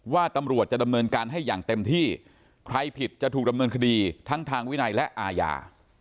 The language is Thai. ว่าตำรวจจะดำเนินการให้อย่างเต็มที่ใครผิดจะถูกดำเนินคดีทั้งทางวินัยและอาญา